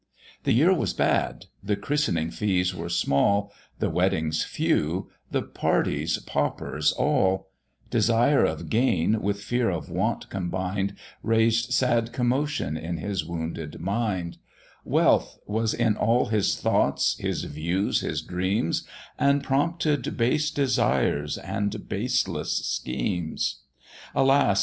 The year was bad, the christening fees were small, The weddings few, the parties paupers all: Desire of gain with fear of want combined, Raised sad commotion in his wounded mind; Wealth was in all his thoughts, his views, his dreams, And prompted base desires and baseless schemes. Alas!